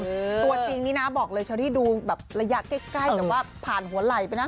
ตัวจริงนี่นะบอกเลยเชอรี่ดูแบบระยะใกล้แบบว่าผ่านหัวไหล่ไปนะ